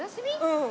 うん。